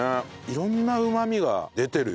色んなうまみが出てるよね。